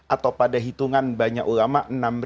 atau pada hitungan banyak ulama